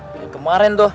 kayak kemarin tuh